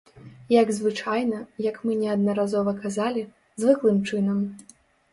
Як звычайна, як мы неаднаразова казалі, звыклым чынам.